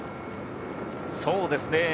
そうですね。